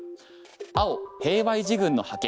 青、平和維持軍の派遣